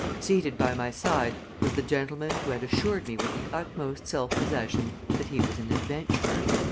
Seated by my side was the gentleman who had assured me with the utmost self possession that he was an adventurer.